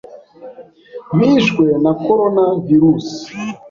bishwe na Corona virus